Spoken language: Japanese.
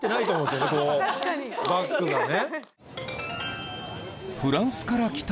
バッグがね。